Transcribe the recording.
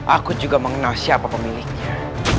aku juga mengenal siapa pemiliknya